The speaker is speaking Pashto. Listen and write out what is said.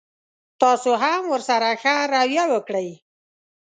تاسو هم ورسره ښه رويه وکړئ.